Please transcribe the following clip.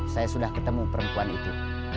saya sudah ketemu perempuan itu